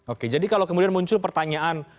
oke jadi kalau kemudian muncul pertanyaan